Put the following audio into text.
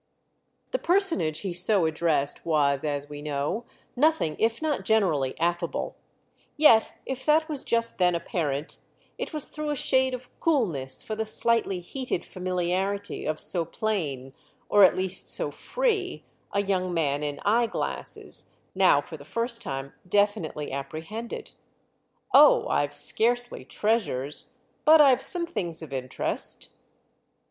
The personage he so addressed was, as we know, nothing if not generally affable; yet if that was just then apparent it was through a shade of coolness for the slightly heated familiarity of so plain, or at least so free, a young man in eye glasses, now for the first time definitely apprehended. "Oh, I've scarcely 'treasures'—but I've some things of interest."